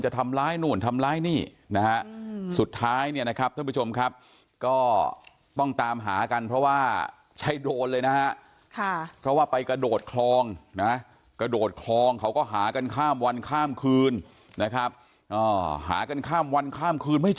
อายุสี่สิบสี่คุณเขม